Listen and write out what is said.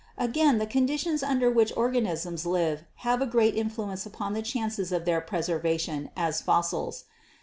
Again, the conditions under which organisms live have a great influence upon the chances of their preservation as fossils.